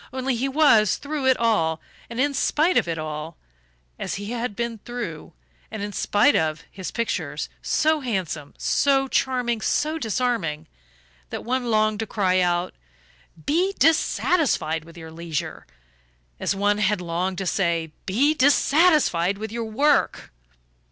Only he was, through it all and in spite of it all as he had been through, and in spite of, his pictures so handsome, so charming, so disarming, that one longed to cry out: "Be dissatisfied with your leisure!" as once one had longed to say: "Be dissatisfied with your work!"